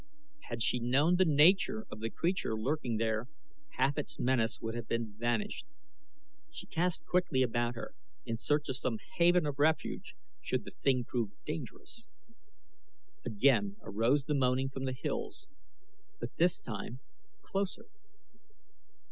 Had she known the nature of the creature lurking there half its menace would have vanished. She cast quickly about her in search of some haven of refuge should the thing prove dangerous. Again arose the moaning from the hills, but this time closer.